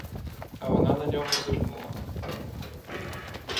А вона на нього зирнула.